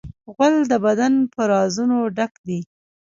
غول د بدن په رازونو ډک دی.